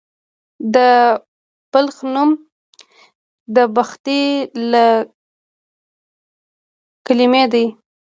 د بلخ نوم د بخدي له کلمې دی